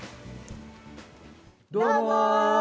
どうも！